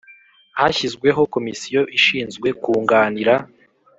Hashyizweho Komisiyo ishinzwe kunganira